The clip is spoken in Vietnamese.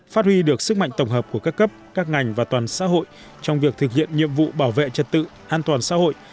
phát huy được sức mạnh tổng hợp của các cấp các ngành và toàn xã hội trong việc thực hiện nhiệm vụ bảo vệ trật tự an toàn xã hội